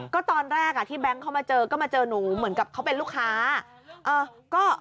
ก็ตอนแรกที่แบงค์เขามาเจอก็มาเจอหนูเหมือนกับเขาเป็นลูกค้า